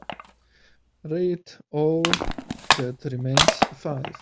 Rate All That Remains a five